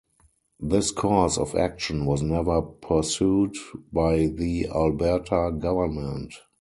This course of action was never pursued by the Alberta government.